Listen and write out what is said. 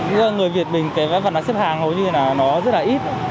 như là người việt mình cái vách ngăn chấp hàng hầu như là nó rất là ít